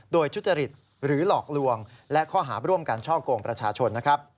โดยชุดจริตหรือหลอกลวงและข้อหาบร่วมการเช่าโกงประชาชน